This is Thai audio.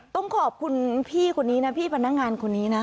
ต้องขอบคุณพี่คนนี้นะพี่พนักงานคนนี้นะ